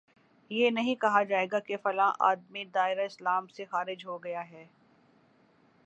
یہ نہیں کہا جائے گا کہ فلاں آدمی دائرۂ اسلام سے خارج ہو گیا ہے